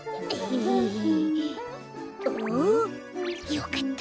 よかった。